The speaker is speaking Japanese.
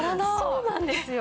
そうなんですよ。